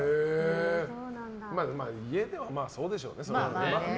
家ではそうでしょうね。